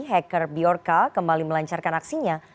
hacker bjorka kembali melancarkan aksinya